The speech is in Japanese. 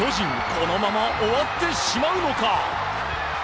このまま終わってしまうのか？